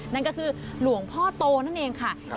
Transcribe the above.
นั่นก็คือหลวงพ่อโตนั่นเองค่ะ